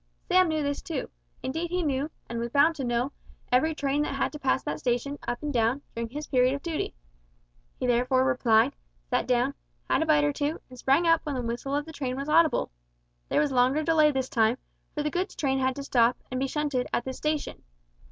Sam knew this too indeed he knew, and was bound to know, every train that had to pass that station, up and down, during his period of duty. He therefore replied, sat down, had a bite or two, and sprang up when the whistle of the train was audible. There was longer delay this time, for the goods train had to stop, and be shunted, at this station.